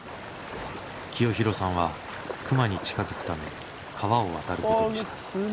清弘さんは熊に近づくため川を渡ることにした。